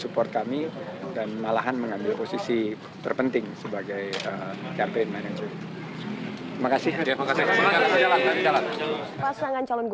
program kami sekarang lagi di doking